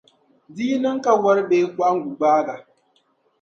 Di yi niŋ ka wari bee kɔhingu gbaagi a.